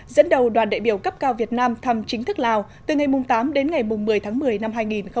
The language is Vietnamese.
dẫn đầu đoàn đại biểu cấp cao việt nam thăm chính thức lào từ ngày tám đến ngày một mươi tháng một mươi năm hai nghìn một mươi chín